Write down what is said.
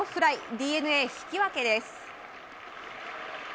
ＤｅＮＡ、引き分けです。